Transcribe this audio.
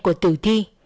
của tử thi